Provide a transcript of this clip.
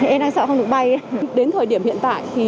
em đang sợ không được bay